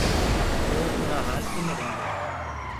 وو اُرآ هآلتي مي ريهندوئي